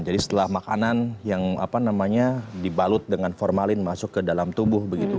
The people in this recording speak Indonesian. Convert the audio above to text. jadi setelah makanan yang apa namanya dibalut dengan formalin masuk ke dalam tubuh begitu